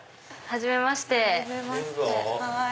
はじめまして。